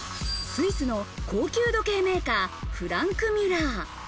スイスの高級時計メーカー、フランクミュラー。